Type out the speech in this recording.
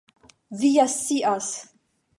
Vi ja scias!